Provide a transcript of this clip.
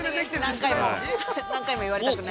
◆何回も言われたくない？